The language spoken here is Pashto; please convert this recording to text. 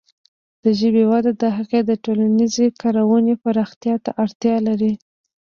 د ژبې وده د هغې د ټولنیزې کارونې پراختیا ته اړتیا لري.